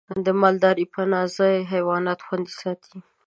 د مالدارۍ پناه ځای حیوانات خوندي ساتي.